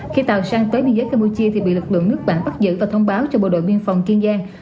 khi tàu sang tới biên giới campuchia thì bị lực lượng nước bản bắt giữ và thông báo cho bộ đội biên phòng kiên giang